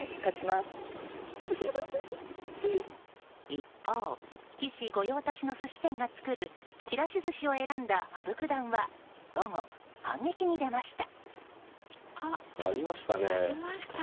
一方、棋士御用達の寿司店が作るちらし寿司を選んだ羽生九段は午後、反撃に出ました。